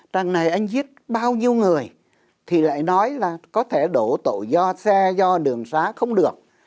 chàng này anh giết bao nhiêu người thì lại nói là có thể đổ tổ do xe do đường xá không được